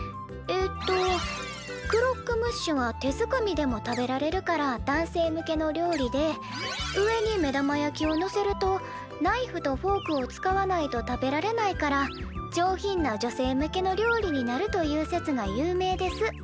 えっと「クロックムッシュは手づかみでも食べられるから男性向けの料理で上に目玉焼きをのせるとナイフとフォークを使わないと食べられないから上品な女性向けの料理になるという説が有名です」